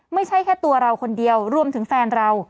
ไม่ใช่แค่ตัวเราคนเดียวรวมถึงแฟนเรา